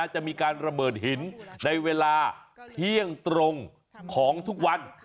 จะมีการระเบิดหินในเวลาเที่ยงตรงของทุกวัน